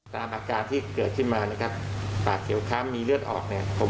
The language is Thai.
อาการที่เกิดขึ้นมานะครับปากเขียวค้ำมีเลือดออกเนี่ย